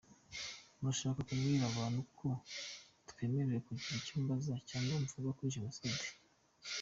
Murashaka kubwira abantu ko ntemerewe kugira icyo mbaza cyangwa mvuga kuri jenoside?